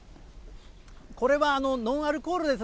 これはノンアルコールです。